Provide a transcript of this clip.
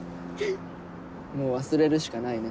もう忘れるしかないね。